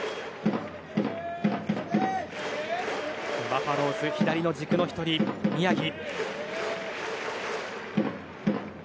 バファローズ、左の軸の１人宮城。